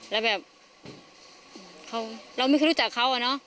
แล้วแบบเราไม่เคยรู้จักเขาอะเนาะ